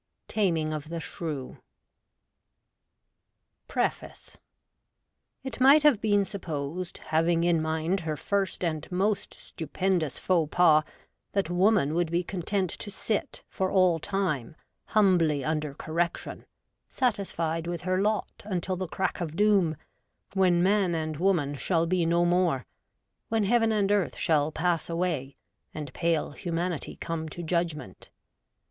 Taming of the Shrew. FINEPAGE _Cp_TO DflT&, T T might have been supposed, having in mind her first and most stupendous faux pas, that Woman ■would be content to sit, for all time, humbly under correction, satisfied with her lot until the crack of doom, when man and woman shall be no more'; when heaven and earth shall pass away, and pale humanity come to judgment.